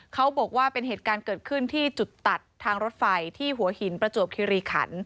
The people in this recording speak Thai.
เขาบอกว่าเป็นเหตุการณ์เกิดขึ้นที่จุดตัดทางรถไฟที่หัวหินประจวบคิริขัน